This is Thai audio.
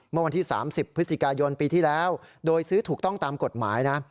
เมื่อวันที่๓๐พฤศจิกายนปีที่แล้วโดยซื้อถูกต้องตามกฎหมายนะ